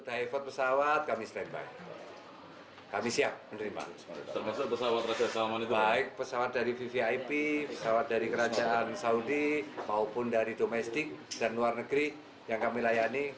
api pesawat dari kerajaan saudi maupun dari domestik dan luar negeri yang kami layani